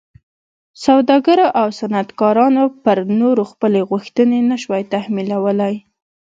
سوداګرو او صنعتکارانو پر نورو خپلې غوښتنې نه شوای تحمیلولی.